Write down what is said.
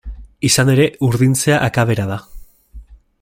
Izan ere, urdintzea akabera da.